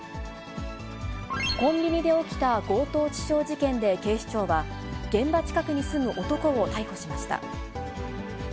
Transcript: コンビニで起きた強盗致傷事件で警視庁は、現場近くに住む男を逮捕しました。